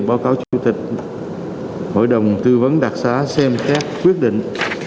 báo cáo chủ tịch hội đồng tư vấn đặc xá xem các quyết định